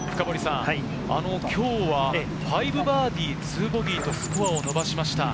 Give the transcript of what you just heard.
今日は５バーディー２ボギーとスコアを伸ばしました。